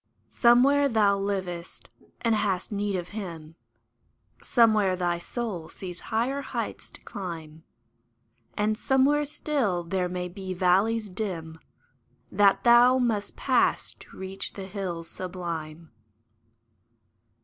Somewhere thou livest and hast need of Him : Somewhere thy soul sees higher heights to climb ; And somewhere still there may be valleys dim That thou must pass to reach the hills sublime.